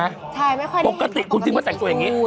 ใช่ไม่ค่อยได้เห็นปกติคุณคิดว่าแต่งตัวอย่างเงี้ย